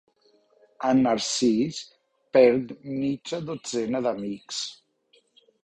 En Narcís perd mitja dotzena d'amics.